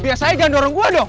biasanya jangan dorong gue dong